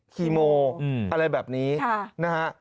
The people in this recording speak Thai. คีโมอะไรแบบนี้นะฮะ